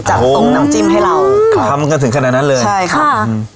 จะส่งน้ำจิ้มให้เราค่ะทำกันถึงขนาดนั้นเลยใช่ครับอืม